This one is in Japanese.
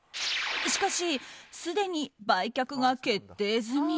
しかし、すでに売却が決定済み。